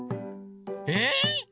えっ！